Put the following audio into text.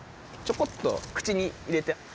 ちょこっと口に入れて。